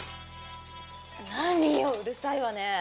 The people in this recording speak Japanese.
何ようるさいわね。